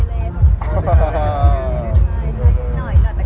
แต่พอมาเจอกันแบบ